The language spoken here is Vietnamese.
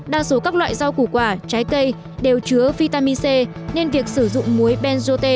đa số các loại rau củ quả trái cây đều chứa vitamin c nên việc sử dụng muối benzoate